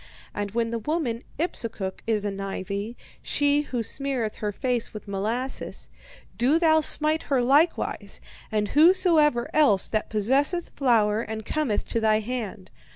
And when the woman Ipsukuk is anigh thee, she who smeareth her face with molasses, do thou smite her likewise, and whosoever else that possesseth flour and cometh to thy hand.